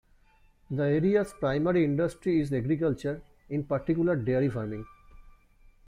The area's primary industry is agriculture in particular dairy farming.